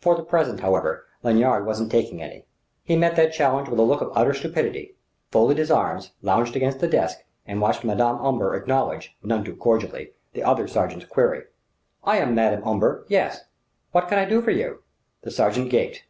For the present, however, Lanyard wasn't taking any. He met that challenge with a look of utter stupidity, folded his arms, lounged against the desk, and watched Madame Omber acknowledge, none too cordially, the other sergent's query. "I am Madame Omber yes. What can I do for you?" The sergent gaped.